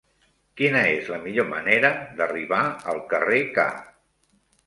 Quina és la millor manera d'arribar al carrer K?